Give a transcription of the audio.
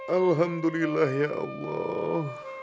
alhamdulillah ya allah